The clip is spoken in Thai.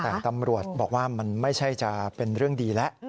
แต่ตำรวจบอกว่ามันไม่ใช่จะเป็นเรื่องดีแล้ว